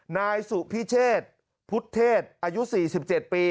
นายสุพิเชษพุทธเทศอายุ๔๗ปี